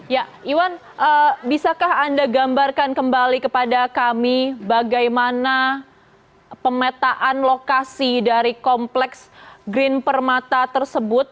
ya iwan bisakah anda gambarkan kembali kepada kami bagaimana pemetaan lokasi dari kompleks green permata tersebut